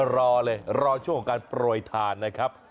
รอเลยรอช่วงของการโปรยทานนะครับ